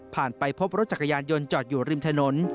ไปพบรถจักรยานยนต์จอดอยู่ริมถนน